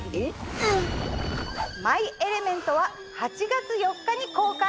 『マイ・エレメント』は８月４日に公開です。